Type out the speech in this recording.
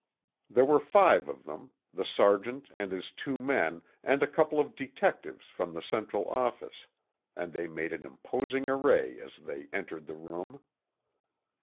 There were five of them, the Sergeant and his two men and a couple of detectives from the Central Office, and they made an imposing array as they entered the room.